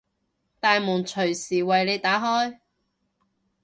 大門隨時為你打開